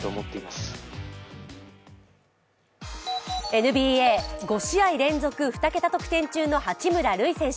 ＮＢＡ、５試合連続２桁得点中の八村塁選手。